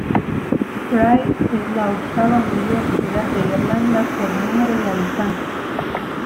Bray es la octava mayor ciudad de Irlanda por número de habitantes.